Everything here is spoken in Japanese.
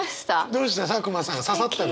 どうした？